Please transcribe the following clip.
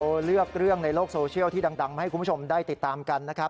เลือกเรื่องในโลกโซเชียลที่ดังมาให้คุณผู้ชมได้ติดตามกันนะครับ